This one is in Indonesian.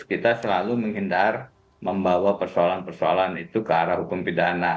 kita selalu menghindar membawa persoalan persoalan itu ke arah hukum pidana